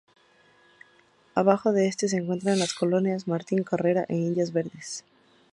Abajo de este se encuentran las colonias Martín Carrera e Indios Verdes.